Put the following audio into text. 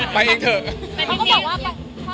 ไปเองเถอะ